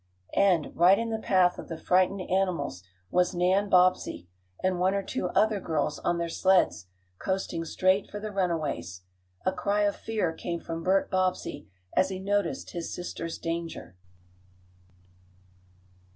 And, right in the path of the frightened animals was Nan Bobbsey, and one or two other girls, on their sleds, coasting straight for the runaways. A cry of fear came from Bert Bobbsey as he noticed his sister's danger.